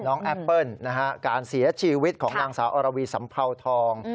น้องแอปเปิ้ลนะครับการเสียชีวิตของนางสาอรวีสัมภาวทอง